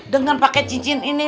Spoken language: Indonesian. dengan pakai cincin ini